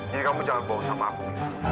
jadi kamu jangan bohong sama aku